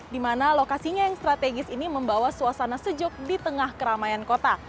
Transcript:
di mana lokasinya yang strategis ini membawa suasana sejuk di tengah keramaian kota